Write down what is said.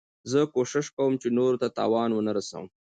زه کوشش کوم، چي نورو ته تاوان و نه رسوم.